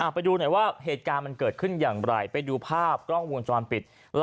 ไปดูหน่อยว่าเหตุการณ์มันเกิดขึ้นอย่างไร